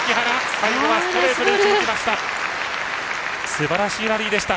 最後はストレートで打ち抜きました！